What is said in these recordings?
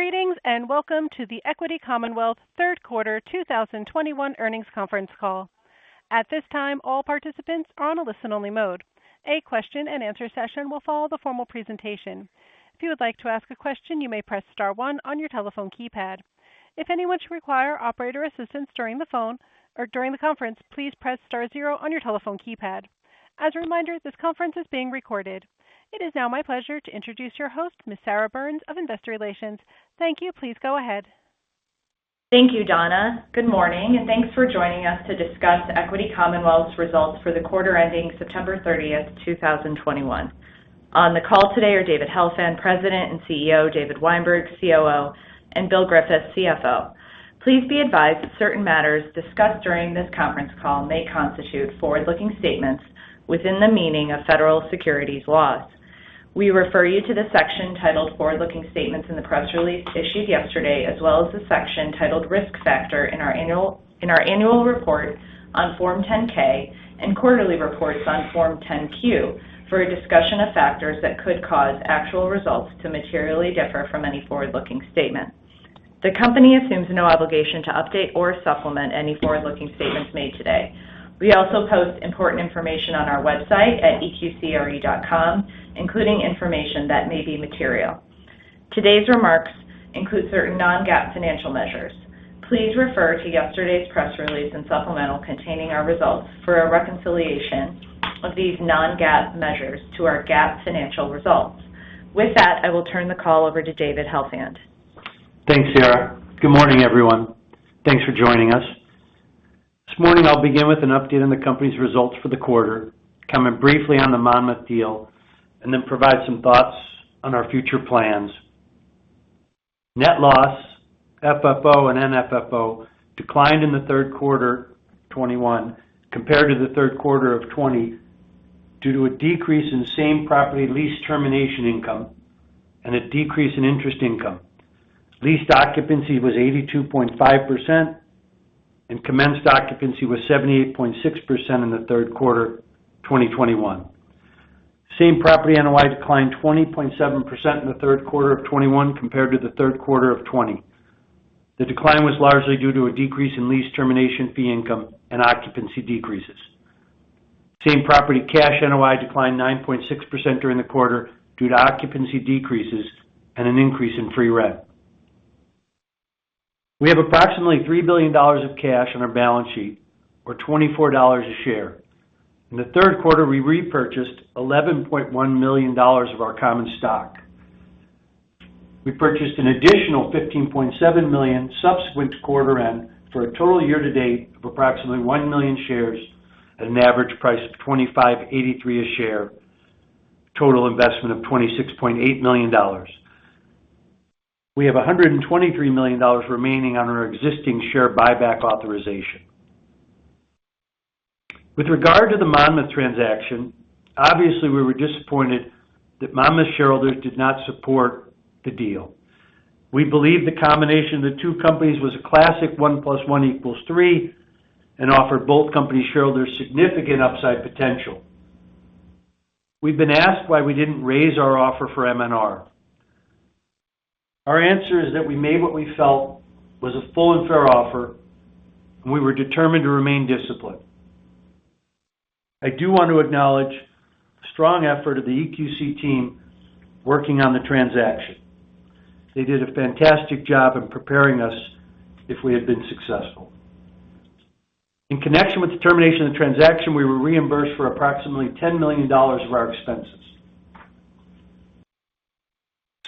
Greetings, and welcome to the Equity Commonwealth Third Quarter 2021 Earnings conference call. At this time, all participants are on a listen-only mode. A question-and-answer session will follow the formal presentation. If you would like to ask a question, you may press star one on your telephone keypad. If anyone should require operator assistance during the phone or during the conference, please press star zero on your telephone keypad. As a reminder, this conference is being recorded. It is now my pleasure to introduce your host, Ms. Sarah Byrnes of Investor Relations. Thank you. Please go ahead. Thank you, Donna. Good morning, and thanks for joining us to discuss Equity Commonwealth's results for the quarter ending September 30th, 2021. On the call today are David Helfand, President and CEO, David Weinberg, COO, and Bill Griffiths, CFO. Please be advised that certain matters discussed during this conference call may constitute forward-looking statements within the meaning of federal securities laws. We refer you to the section titled Forward-Looking Statements in the press release issued yesterday, as well as the section titled Risk Factor in our annual report on Form 10-K and quarterly reports on Form 10-Q for a discussion of factors that could cause actual results to materially differ from any forward-looking statement. The company assumes no obligation to update or supplement any forward-looking statements made today. We also post important information on our website at eqcre.com, including information that may be material. Today's remarks include certain non-GAAP financial measures. Please refer to yesterday's press release and supplemental containing our results for a reconciliation of these non-GAAP measures to our GAAP financial results. With that, I will turn the call over to David Helfand. Thanks, Sarah. Good morning, everyone. Thanks for joining us. This morning, I'll begin with an update on the company's results for the quarter, comment briefly on the Monmouth deal, and then provide some thoughts on our future plans. Net loss, FFO, and MFFO declined in the third quarter 2021 compared to the third quarter of 2020 due to a decrease in same-property lease termination income and a decrease in interest income. Leased occupancy was 82.5%, and commenced occupancy was 78.6% in the third quarter 2021. Same-property NOI declined 20.7% in the third quarter of 2021 compared to the third quarter of 2020. The decline was largely due to a decrease in lease termination fee income and occupancy decreases. Same-property cash NOI declined 9.6% during the quarter due to occupancy decreases and an increase in free rent. We have approximately $3 billion of cash on our balance sheet or $24 a share. In the third quarter, we repurchased $11.1 million of our common stock. We purchased an additional $15.7 million subsequent to quarter end for a total year to date of approximately 1 million shares at an average price of $25.83 a share. Total investment of $26.8 million. We have $123 million remaining on our existing share buyback authorization. With regard to the Monmouth transaction, obviously, we were disappointed that Monmouth shareholders did not support the deal. We believe the combination of the two companies was a classic one plus one equals three and offered both company shareholders significant upside potential. We've been asked why we didn't raise our offer for MNR. Our answer is that we made what we felt was a full and fair offer, and we were determined to remain disciplined. I do want to acknowledge the strong effort of the EQC team working on the transaction. They did a fantastic job in preparing us if we had been successful. In connection with the termination of the transaction, we were reimbursed for approximately $10 million of our expenses.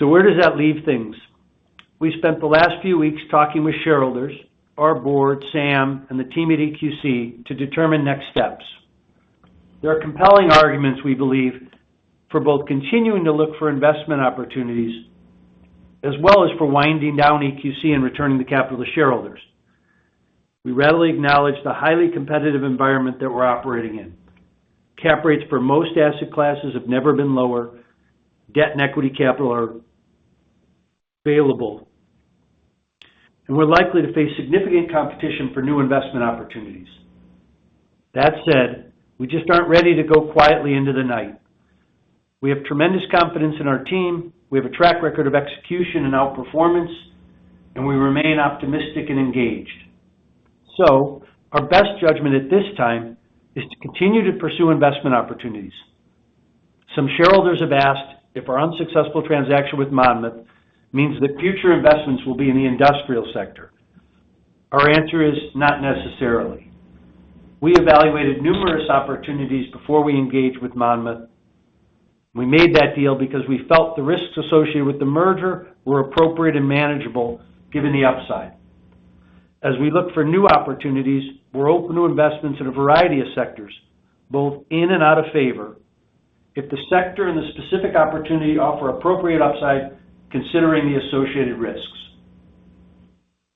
Where does that leave things? We spent the last few weeks talking with shareholders, our board, Sam, and the team at EQC to determine next steps. There are compelling arguments, we believe, for both continuing to look for investment opportunities as well as for winding down EQC and returning the capital to shareholders. We readily acknowledge the highly competitive environment that we're operating in. Cap rates for most asset classes have never been lower. Debt and equity capital are available, and we're likely to face significant competition for new investment opportunities. That said, we just aren't ready to go quietly into the night. We have tremendous confidence in our team. We have a track record of execution and outperformance, and we remain optimistic and engaged. Our best judgment at this time is to continue to pursue investment opportunities. Some shareholders have asked if our unsuccessful transaction with Monmouth means that future investments will be in the industrial sector. Our answer is not necessarily. We evaluated numerous opportunities before we engaged with Monmouth. We made that deal because we felt the risks associated with the merger were appropriate and manageable given the upside. As we look for new opportunities, we're open to investments in a variety of sectors, both in and out of favor if the sector and the specific opportunity offer appropriate upside considering the associated risks.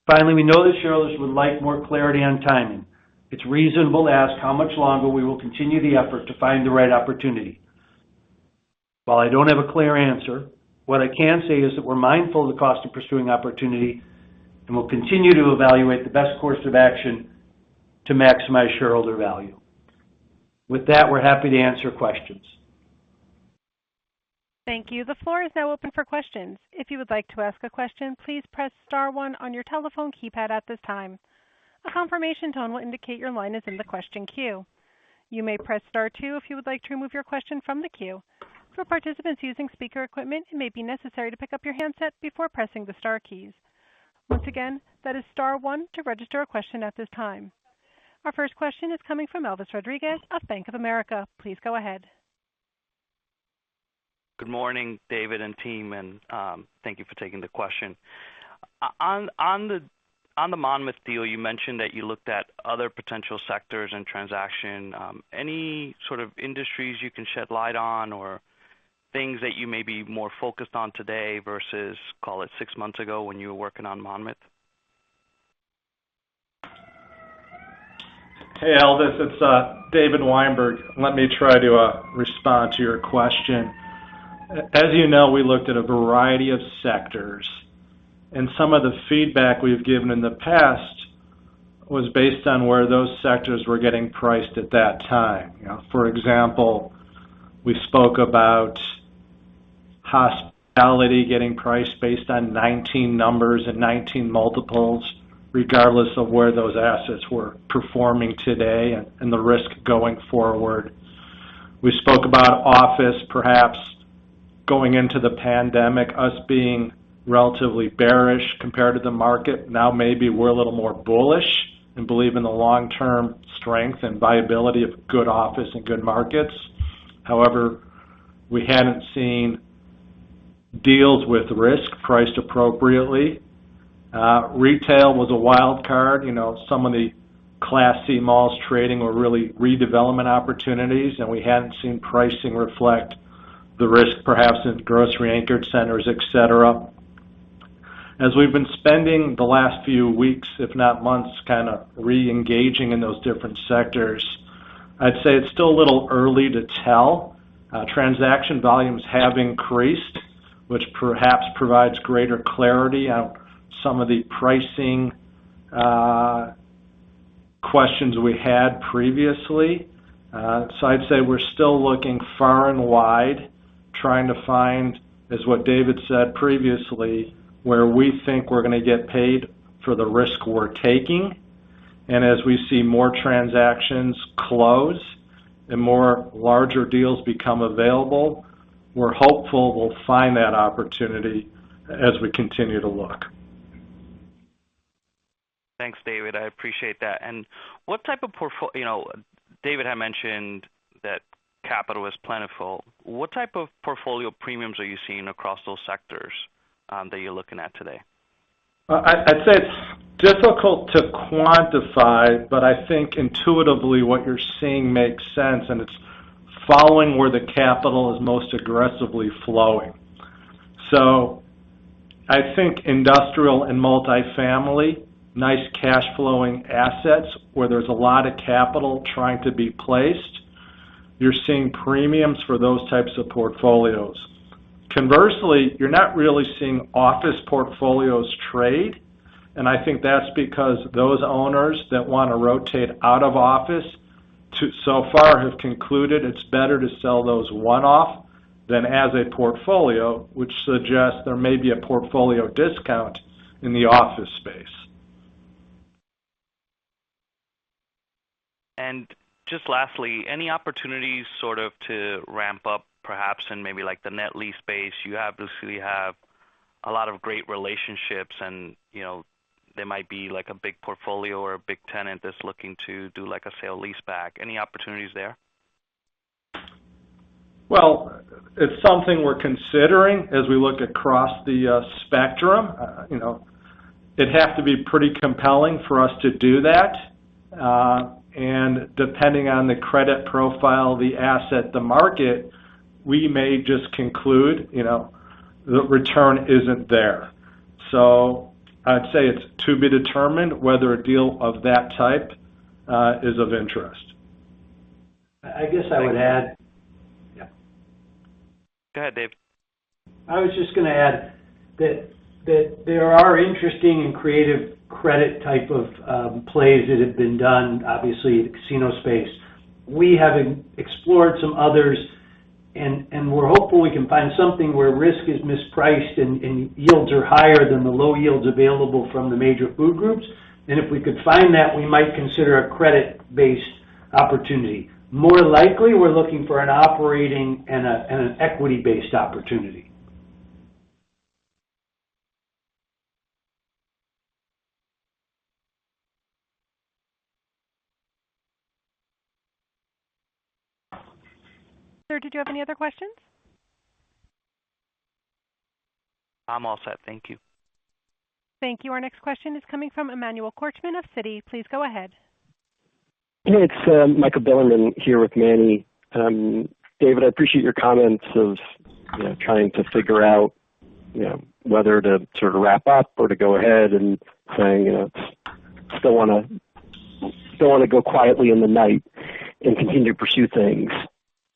Finally, we know that shareholders would like more clarity on timing. It's reasonable to ask how much longer we will continue the effort to find the right opportunity. While I don't have a clear answer, what I can say is that we're mindful of the cost of pursuing opportunity, and we'll continue to evaluate the best course of action to maximize shareholder value. With that, we're happy to answer questions. Thank you. The floor is now open for questions. If you would like to ask a question, please press star one on your telephone keypad at this time. A confirmation tone will indicate your line is in the question queue. You may press star two if you would like to remove your question from the queue. For participants using speaker equipment, it may be necessary to pick up your handset before pressing the star keys. Once again, that is star one to register a question at this time. Our first question is coming from Elvis Rodriguez of Bank of America. Please go ahead. Good morning, David and team, and thank you for taking the question. On the Monmouth deal, you mentioned that you looked at other potential sectors and transactions. Any sort of industries you can shed light on or things that you may be more focused on today versus, call it six months ago when you were working on Monmouth? Hey, Elvis. It's David Weinberg. Let me try to respond to your question. As you know, we looked at a variety of sectors, and some of the feedback we've given in the past was based on where those sectors were getting priced at that time. You know, for example, we spoke about hospitality getting priced based on 2019 numbers and 19x multiples, regardless of where those assets were performing today and the risk going forward. We spoke about office perhaps going into the pandemic, us being relatively bearish compared to the market. Now maybe we're a little more bullish and believe in the long-term strength and viability of good office and good markets. However, we hadn't seen deals with risk priced appropriately. Retail was a wild card. You know, some of the Class C malls trading were really redevelopment opportunities, and we hadn't seen pricing reflect the risk, perhaps in grocery-anchored centers, et cetera. As we've been spending the last few weeks, if not months, kind of reengaging in those different sectors, I'd say it's still a little early to tell. Transaction volumes have increased, which perhaps provides greater clarity on some of the pricing questions we had previously. I'd say we're still looking far and wide, trying to find, as what David said previously, where we think we're gonna get paid for the risk we're taking. As we see more transactions close and more larger deals become available, we're hopeful we'll find that opportunity as we continue to look. Thanks, David. I appreciate that. You know, David had mentioned that capital is plentiful. What type of portfolio premiums are you seeing across those sectors that you're looking at today? I'd say it's difficult to quantify, but I think intuitively what you're seeing makes sense, and it's following where the capital is most aggressively flowing. I think industrial and multifamily, nice cash flowing assets where there's a lot of capital trying to be placed, you're seeing premiums for those types of portfolios. Conversely, you're not really seeing office portfolios trade, and I think that's because those owners that wanna rotate out of office so far have concluded it's better to sell those one-off than as a portfolio, which suggests there may be a portfolio discount in the office space. Just lastly, any opportunities sort of to ramp up, perhaps in maybe like the net lease space, you obviously have a lot of great relationships and, you know, there might be like a big portfolio or a big tenant that's looking to do like a sale leaseback. Any opportunities there? Well, it's something we're considering as we look across the spectrum. You know, it'd have to be pretty compelling for us to do that. Depending on the credit profile, the asset, the market, we may just conclude, you know, the return isn't there. I'd say it's to be determined whether a deal of that type is of interest. I guess I would add. Yeah. Go ahead, Dave. I was just gonna add that there are interesting and creative credit type of plays that have been done, obviously, in the casino space. We have explored some others and we're hopeful we can find something where risk is mispriced and yields are higher than the low yields available from the major food groups. If we could find that, we might consider a credit-based opportunity. More likely, we're looking for an operating and an equity-based opportunity. Sir, did you have any other questions? I'm all set. Thank you. Thank you. Our next question is coming from Emmanuel Korchman of Citi. Please go ahead. It's Michael Bilerman here with Manny. David, I appreciate your comments of, you know, trying to figure out, you know, whether to sort of wrap up or to go ahead and saying, you know, still wanna go quietly in the night and continue to pursue things.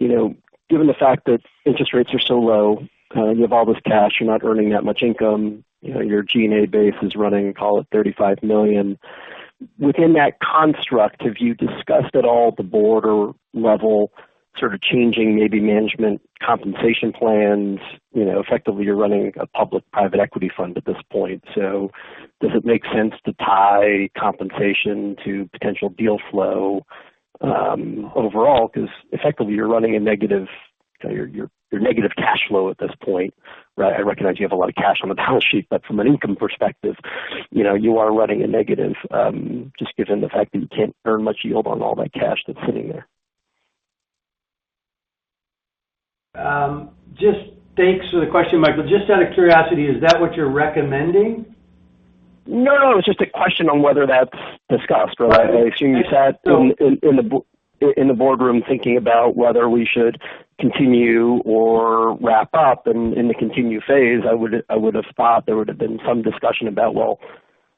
You know, given the fact that interest rates are so low, you have all this cash, you're not earning that much income. You know, your G&A base is running, call it $35 million. Within that construct, have you discussed at all the board or level sort of changing maybe management compensation plans? You know, effectively you're running a public private equity fund at this point. So does it make sense to tie compensation to potential deal flow, overall? Because effectively you're running a negative cash flow at this point, right? I recognize you have a lot of cash on the balance sheet, but from an income perspective, you know, you are running a negative, just given the fact that you can't earn much yield on all that cash that's sitting there. Just thanks for the question, Michael. Just out of curiosity, is that what you're recommending? No, it was just a question on whether that's discussed or. Right. Assuming you sat in the boardroom thinking about whether we should continue or wrap up. In the continue phase, I would have thought there would have been some discussion about well,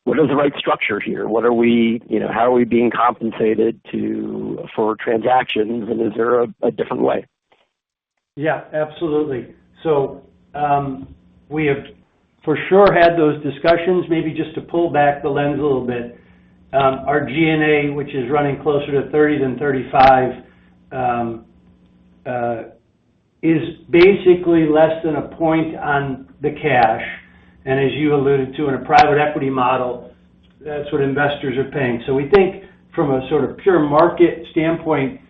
what is the right structure here? What are we you know, how are we being compensated for transactions? Is there a different way? Yeah, absolutely. We have for sure had those discussions. Maybe just to pull back the lens a little bit, our G&A, which is running closer to 30 than 35, is basically less than a point on the cash. As you alluded to, in a private equity model, that's what investors are paying. We think from a sort of pure market standpoint,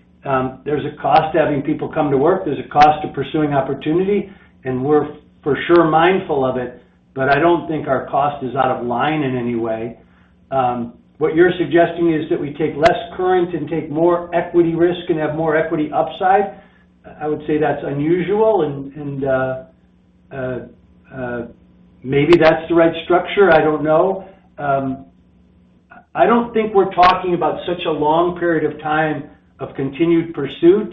there's a cost to having people come to work, there's a cost to pursuing opportunity, and we're for sure mindful of it, but I don't think our cost is out of line in any way. What you're suggesting is that we take less current and take more equity risk and have more equity upside. I would say that's unusual and maybe that's the right structure. I don't know. I don't think we're talking about such a long period of time of continued pursuit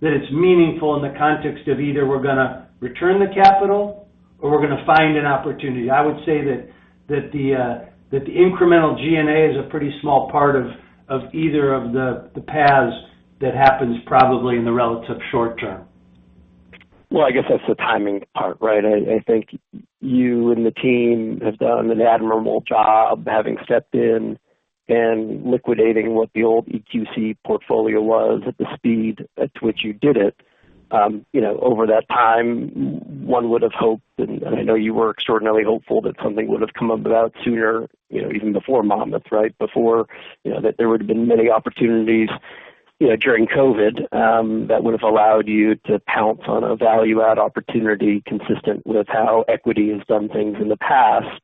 that it's meaningful in the context of either we're gonna return the capital or we're gonna find an opportunity. I would say that the incremental G&A is a pretty small part of either of the paths that happens probably in the relative short term. Well, I guess that's the timing part, right? I think you and the team have done an admirable job having stepped in and liquidating what the old EQC portfolio was at the speed at which you did it. You know, over that time, one would've hoped, and I know you were extraordinarily hopeful that something would've come about sooner, you know, even before Monmouth, right? Before, you know, that there would've been many opportunities, you know, during COVID, that would've allowed you to pounce on a value add opportunity consistent with how Equity has done things in the past.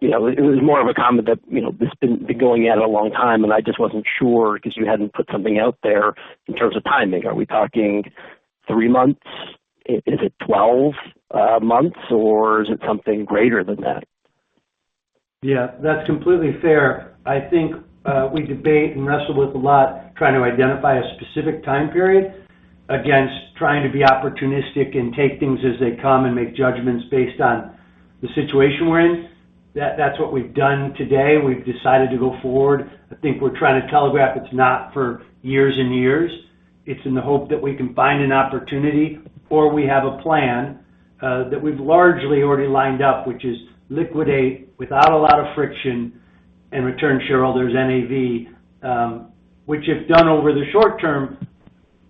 You know, it was more of a comment that, you know, this has been going on a long time and I just wasn't sure, 'cause you hadn't put something out there in terms of timing. Are we talking three months? Is it 12 months or is it something greater than that? Yeah, that's completely fair. I think we debate and wrestle with a lot trying to identify a specific time period against trying to be opportunistic and take things as they come and make judgments based on the situation we're in. That's what we've done today. We've decided to go forward. I think we're trying to telegraph it's not for years and years. It's in the hope that we can find an opportunity or we have a plan that we've largely already lined up, which is liquidate without a lot of friction and return shareholders' NAV, which if done over the short term,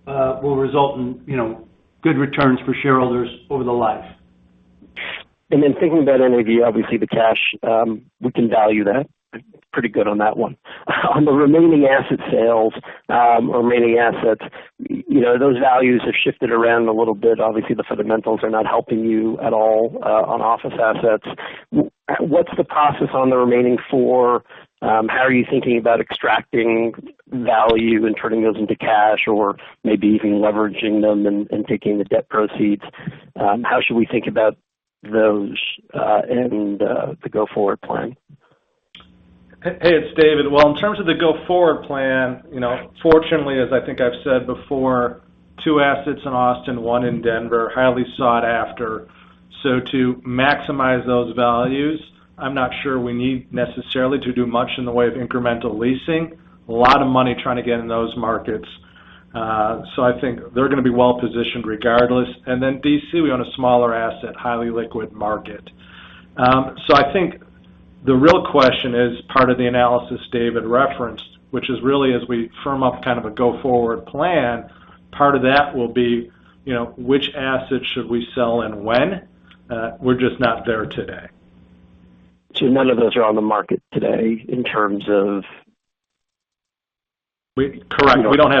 will result in, you know, good returns for shareholders over the life. Thinking about NAV, obviously the cash, we can value that. Pretty good on that one. On the remaining asset sales, or remaining assets, you know, those values have shifted around a little bit. Obviously, the fundamentals are not helping you at all, on office assets. What's the process on the remaining four? How are you thinking about extracting value and turning those into cash or maybe even leveraging them and taking the debt proceeds? How should we think about those, and the go-forward plan? Hey, it's David. Well, in terms of the go-forward plan, you know, fortunately, as I think I've said before, two assets in Austin, one in Denver, highly sought after. To maximize those values, I'm not sure we need necessarily to do much in the way of incremental leasing. A lot of money trying to get in those markets. I think they're gonna be well-positioned regardless. Then D.C., we own a smaller asset, highly liquid market. I think the real question is part of the analysis David referenced, which is really as we firm up kind of a go-forward plan, part of that will be, you know, which assets should we sell and when. We're just not there today. None of those are on the market today in terms of. Correct. We don't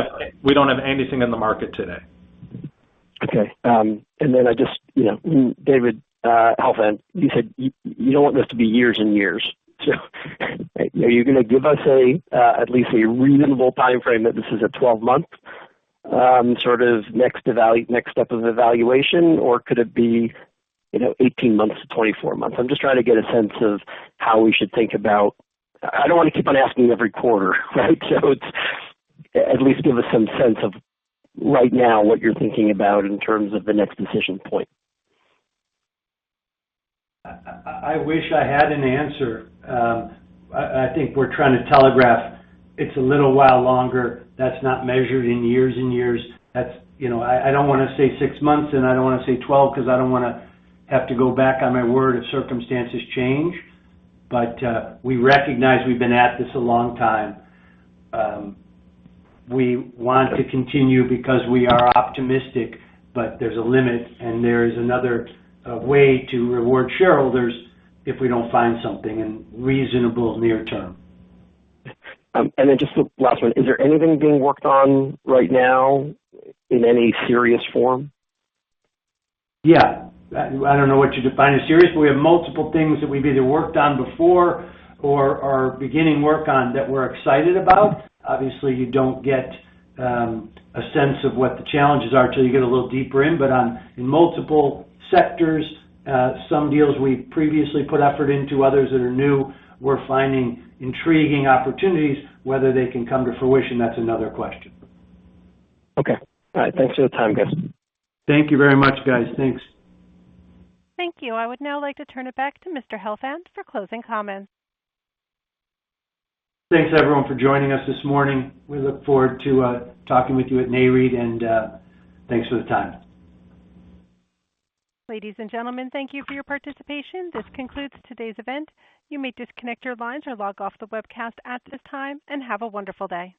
have anything in the market today. Okay. And then I just, you know, David Helfand, you said you don't want this to be years and years. Are you gonna give us a at least a reasonable timeframe that this is a 12-month sort of next step of evaluation, or could it be, you know, 18 months to 24 months? I'm just trying to get a sense of how we should think about. I don't wanna keep on asking every quarter, right? At least give us some sense of right now what you're thinking about in terms of the next decision point. I wish I had an answer. I think we're trying to telegraph it's a little while longer. That's not measured in years and years. That's, you know, I don't wanna say six months, and I don't wanna say 12 'cause I don't wanna have to go back on my word if circumstances change. We recognize we've been at this a long time. We want to continue because we are optimistic, but there's a limit and there is another way to reward shareholders if we don't find something in reasonable near term. Just the last one. Is there anything being worked on right now in any serious form? Yeah. I don't know what you define as serious, but we have multiple things that we've either worked on before or are beginning work on that we're excited about. Obviously, you don't get a sense of what the challenges are till you get a little deeper in. In multiple sectors, some deals we've previously put effort into, others that are new, we're finding intriguing opportunities. Whether they can come to fruition, that's another question. Okay. All right. Thanks for the time, guys. Thank you very much, guys. Thanks. Thank you. I would now like to turn it back to Mr. Helfand for closing comments. Thanks everyone for joining us this morning. We look forward to talking with you at Nareit and thanks for the time. Ladies and gentlemen, thank you for your participation. This concludes today's event. You may disconnect your lines or log off the webcast at this time, and have a wonderful day.